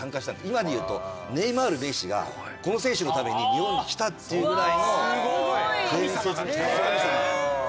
今でいうとネイマールメッシがこの選手のために日本に来たっていうぐらいの伝説の人。